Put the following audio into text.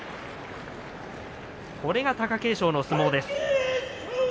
これが貴景勝の相撲です。